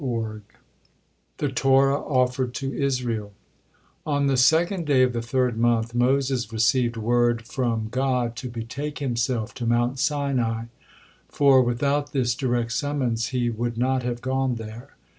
THE TORAH OFFERED TO ISRAEL On the second day of the third month, Moses received word form God to betake himself to Mount Sinai, for without this direct summons he would not have gone there.